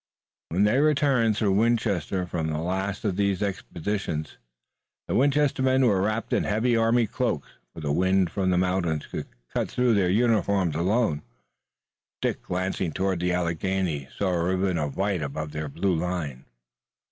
When they returned through Winchester from the last of these expeditions the Winchester men were wrapped in heavy army cloaks, for the wind from the mountains could now cut through uniforms alone. Dick, glancing toward the Alleghanies, saw a ribbon of white above their blue line.